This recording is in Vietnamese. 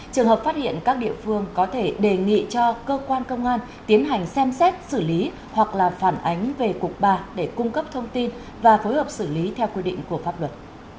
trường hợp phát hiện các địa phương có thể đề nghị cho cơ quan công an tiến hành xem xét xử lý hoặc là phản ánh về cục ba để cung cấp thông tin và phối hợp xử lý theo quy định của pháp luật